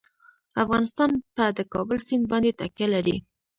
افغانستان په د کابل سیند باندې تکیه لري.